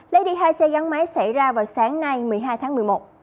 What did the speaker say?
lấy đi hai xe gắn máy xảy ra vào sáng nay một mươi hai tháng một mươi một